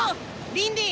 リンディ！